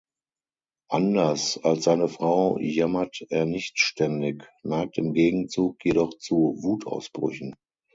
Anders als seine Frau jammert er nicht ständig, neigt im Gegenzug jedoch zu Wutausbrüchen.